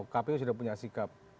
kpu sudah punya sikap